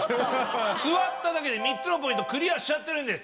座っただけで３つのポイントクリアしちゃってるんです。